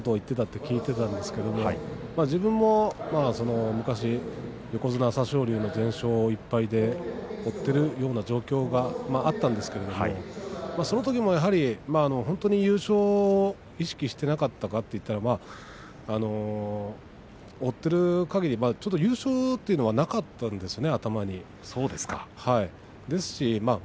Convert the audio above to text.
妙義龍はきょうは優勝争い関係ないというふうなことを言っていたと聞いたんですけれど自分も、昔横綱朝青龍の全勝を１敗で追っているような状況があったんですけれどもそのときもやはり本当に優勝を意識していなかったかというと追っているかぎり優勝というのは頭になかったんですよね。